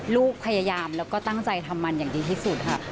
ลูกพยายามแล้วก็ตั้งใจทำมันอย่างดีที่สุดค่ะ